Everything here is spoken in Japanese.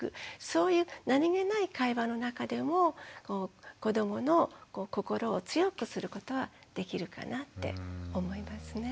そういう何気ない会話の中でも子どもの心を強くすることはできるかなって思いますね。